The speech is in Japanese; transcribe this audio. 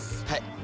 はい。